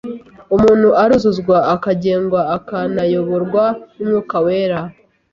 umuntu aruzuzwa, akagengwa, akanayoborwa n'Umwuka wera.